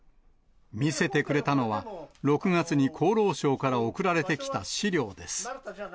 見せてくれたのは、６月に厚労省から送られてきた資料です。